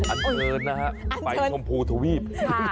อันเชิญนะฮะไปชมพูทวีป